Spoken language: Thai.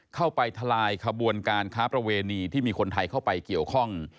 ทลายขบวนการค้าประเวณีที่มีคนไทยเข้าไปเกี่ยวข้อง